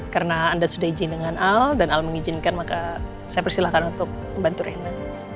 karena anda sudah izin dengan al dan al mengizinkan maka saya persilahkan untuk membantu rena